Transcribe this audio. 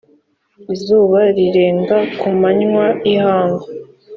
izuba rirenga ku manywa y’ihangu